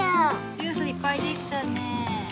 ジュースいっぱいできたねえ。